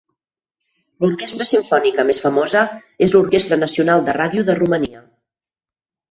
L'orquestra simfònica més famosa és l'Orquestra Nacional de Ràdio de Romania.